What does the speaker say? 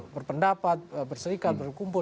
berpendapat berserikat berkumpul